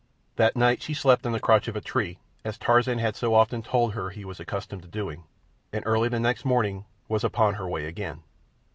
That night she slept in the crotch of a tree, as Tarzan had so often told her that he was accustomed to doing, and early the next morning was upon her way again.